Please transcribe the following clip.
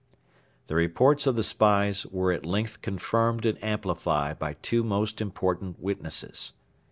The reports of the spies were at length confirmed and amplified by two most important witnesses.